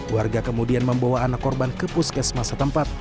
warga kemudian membawa anak korban ke puskesmasa tempat